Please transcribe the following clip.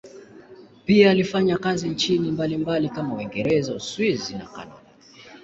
Pia alifanya kazi nchini mbalimbali kama Uingereza, Uswisi na Kanada.